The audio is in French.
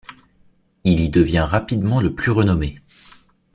Il y devient rapidement le plus renommé.